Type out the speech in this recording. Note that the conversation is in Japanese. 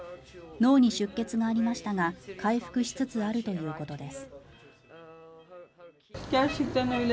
脳に出血がありましたが回復しつつあるということです。